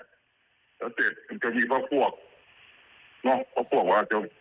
และเจ็ดมีการยิงปืนจริงแต่ว่าเป็นการยิงขู่จากทางเจ้าหน้าที่